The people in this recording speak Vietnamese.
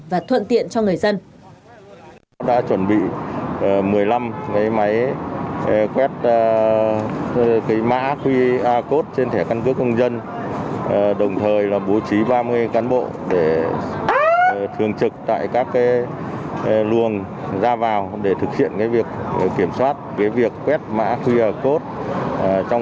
và thuận tiện cho người dân